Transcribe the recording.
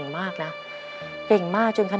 ไม่เป็นอะไร